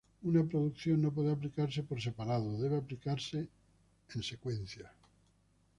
Una producción no puede aplicarse por separado, debe aplicarse en secuencia.